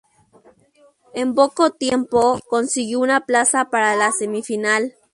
En poco tiempo, consiguió una plaza para la semifinal.